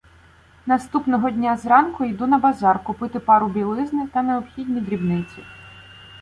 Наступного дня зранку йду на базар купити пару білизни та необхідні дрібниці.